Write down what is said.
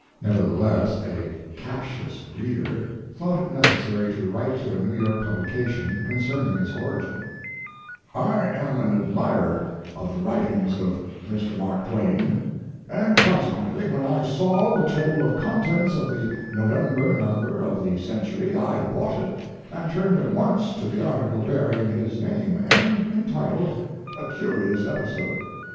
Nevertheless, a "Captious Reader" thought it necessary to write to a New York publication concerning its origin: I am an admirer of the writings of Mr. Mark Twain, and consequently, when I saw the table of contents of the November number of the Century, I bought it and turned at once to the article bearing his name, and entitled, "A Curious Episode."